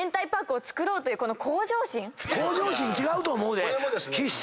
向上心違うと思うで。